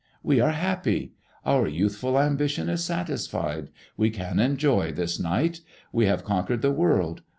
We are happy! Our youthful ambition is satisfied. We can enjoy this night. We have conquered the world.